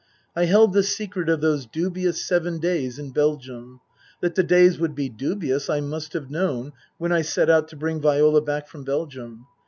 I held the secret of those dubious seven days in Belgium. That the days would be dubious I must have known when I set out to bring Viola back from Belgium.